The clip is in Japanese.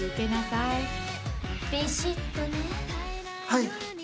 はい！